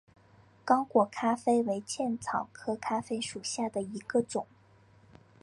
刚果咖啡为茜草科咖啡属下的一个种。